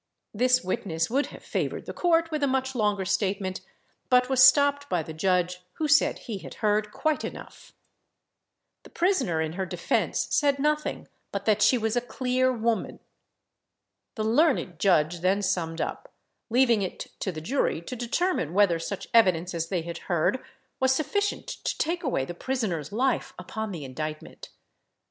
This witness would have favoured the court with a much longer statement, but was stopped by the judge, who said he had heard quite enough. The prisoner, in her defence, said nothing, but that "she was a clear woman." The learned judge then summed up, leaving it to the jury to determine whether such evidence as they had heard was sufficient to take away the prisoner's life upon the indictment.